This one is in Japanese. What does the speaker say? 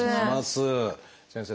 先生